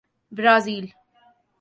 Brazil